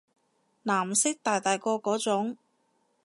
藍色大大個嗰種